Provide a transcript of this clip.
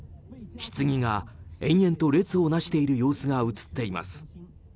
ひつぎが延々と列をなしている様子が映っています。